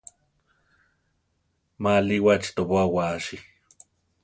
Ma alíwachi tobóa waasi.